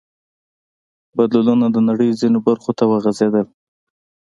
بدلونونه د نړۍ ځینو برخو ته وغځېدل.